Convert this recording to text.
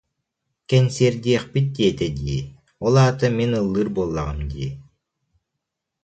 Кэнсиэрдиэхпит диэтэ дии, ол аата мин ыллыыр буоллаҕым дии